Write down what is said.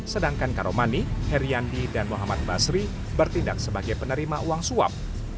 sedangkan karomani heriandi dan muhammad basri bertindak sebagai penerima uang suap